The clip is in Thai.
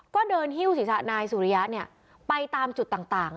ก็เดินฮิ้วศีรษะนายสุริยะเนี่ยไปตามจุดต่างต่าง